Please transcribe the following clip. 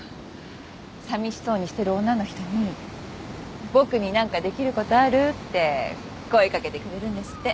さみしそうにしてる女の人に「僕に何かできることある？」って声掛けてくれるんですって。